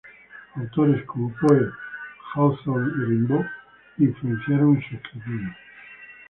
Autores como Poe, Hawthorne, y Rimbaud le influenciaron en su escritura.